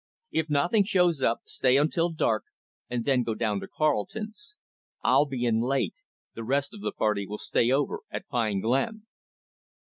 If nothing shows up, stay until dark, and then go down to Carleton's. I'll be in late. The rest of the party will stay over at Pine Glen."